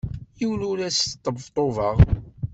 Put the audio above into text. Yiwen ur as-sṭebṭubeɣ.